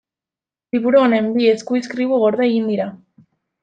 Liburu honen bi eskuizkribu gorde egin dira.